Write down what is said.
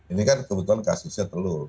ini kan kebetulan kasusnya telur